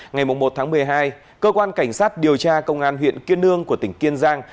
ngày một tháng một mươi hai cơ quan cảnh sát điều tra công an huyện kiên lương của tỉnh kiên giang